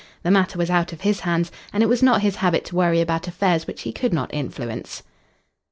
The matter was out of his hands, and it was not his habit to worry about affairs which he could not influence.